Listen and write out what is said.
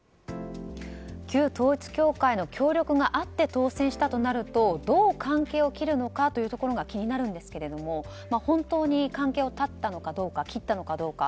旧統一教会の協力があって当選したとなるとどう関係を切るのかというところが気になるんですが本当に関係を断ったのかどうか切ったのかどうか。